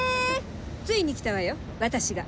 ついに来たわよ、私が。